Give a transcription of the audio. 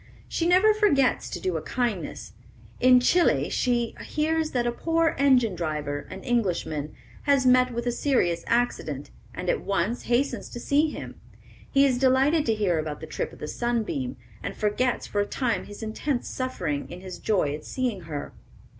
She never forgets to do a kindness. In Chili she hears that a poor engine driver, an Englishman, has met with a serious accident, and at once hastens to see him. He is delighted to hear about the trip of the Sunbeam, and forgets for a time his intense suffering in his joy at seeing her.